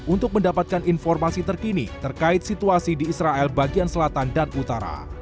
untuk mendapatkan informasi terkini terkait situasi di israel bagian selatan dan utara